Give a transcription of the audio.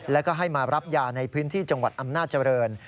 แล้วก็ให้มารับยาในพื้นที่จังหวัดอำนาจริง